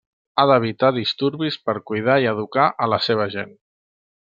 Ha d'evitar disturbis per cuidar i educar a la seva gent.